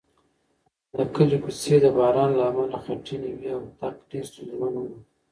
د کلي کوڅې د باران له امله خټینې وې او تګ ډېر ستونزمن و.